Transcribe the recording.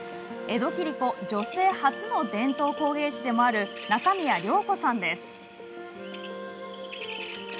江戸切子女性初の伝統工芸士でもある中宮涼子さんです。